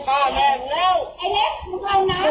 ไอ้เล็ก